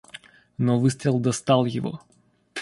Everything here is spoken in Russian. Но выстрел достал его.